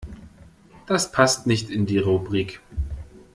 Das passt nicht in die Rubrik.